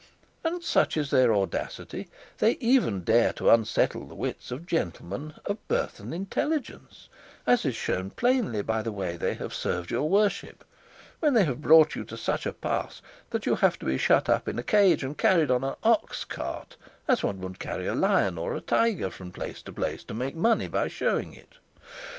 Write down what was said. And such is their audacity, they even dare to unsettle the wits of gentlemen of birth and intelligence, as is shown plainly by the way they have served your worship, when they have brought you to such a pass that you have to be shut up in a cage and carried on an ox cart as one would carry a lion or a tiger from place to place to make money by showing it.